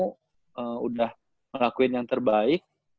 kamu udah ngelakuin yang terbaik